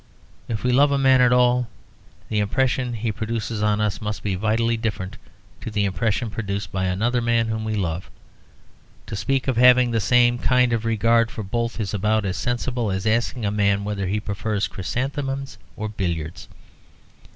If we love a man at all, the impression he produces on us must be vitally different to the impression produced by another man whom we love. To speak of having the same kind of regard for both is about as sensible as asking a man whether he prefers chrysanthemums or billiards.